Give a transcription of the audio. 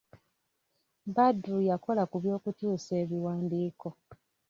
Badru yakola ku by'okukyusa ebiwandiiko.